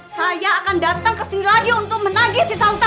saya akan datang kesini lagi untuk menagih si sauta